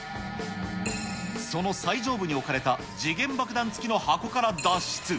その最上部に置かれた時限爆弾付きの箱から脱出。